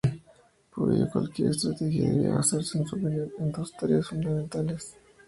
Por ello, cualquier estrategia debía basarse, en su opinión, en dos tareas fundamentales previas.